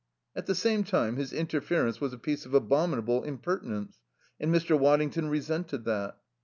At the same time his interference was a piece of abominable impertinence, and Mr. Waddington resented that.